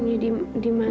enggak usah enggak apa apa